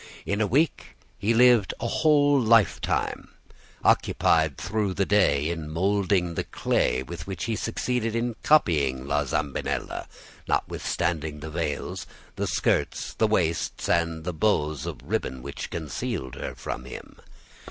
In a week he lived a whole lifetime, occupied through the day in molding the clay with which he succeeded in copying La Zambinella, notwithstanding the veils, the skirts, the waists, and the bows of ribbon which concealed her from him.